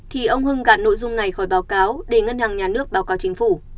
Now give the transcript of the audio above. thì ông hưng gạt nội dung này khỏi báo cáo để ngân hàng nhà nước báo cáo chính phủ